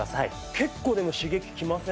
結構でも刺激きません？